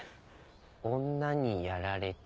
女にやられた。